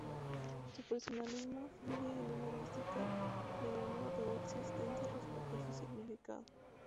Su personalismo afluye en una mística de gran ortodoxia, extensa respecto a su significado.